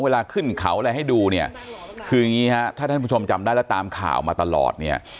เวลาขึ้นเขาอะไรให้ดูเนี่ยคืออย่างนี้ฮะถ้าท่านผู้ชมจำได้แล้วตามข่าวมาตลอดเนี่ย